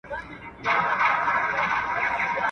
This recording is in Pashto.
o برج دي تر اسمانه رسېږي، سپي دي د لوږي مري.